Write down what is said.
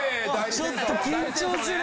ちょっと緊張する。